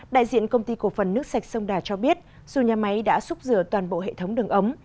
đại diện công ty cổ phần nước sạch sông đà cho biết dù nhà máy đã xúc rửa toàn bộ hệ thống đường ống